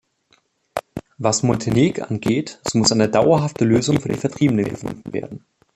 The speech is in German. Was Montenegangeht, so muss eine dauerhafte Lösung für die Vertriebenen gefunden werden.